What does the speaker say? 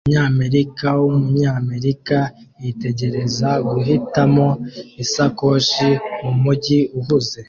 Umunyamerika wumunyamerika yitegereza guhitamo isakoshi mumujyi uhuze